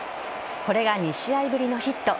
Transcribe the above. これが２試合ぶりのヒット。